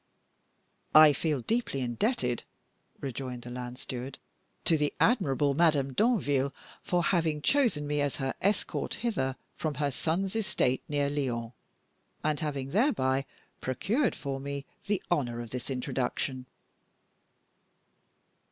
"I feel deeply indebted," rejoined the land steward, "to the admirable Madame Danville for having chosen me as her escort hither from her son's estate near Lyons, and having thereby procured for me the honor of this introduction."